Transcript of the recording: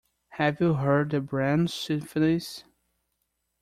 Have you heard the Brahms symphonies?